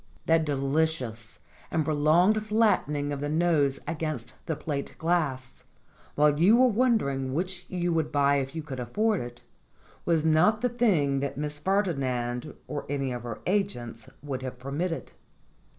That delicious and prolonged flattening of the nose against the plate glass, while you are wondering which you would buy if you could afford it, was not the thing that Miss Ferdinand or any of her agents would have permitted.